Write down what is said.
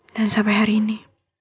dan sampai hari ini